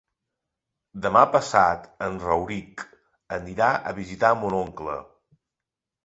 Demà passat en Rauric anirà a visitar mon oncle.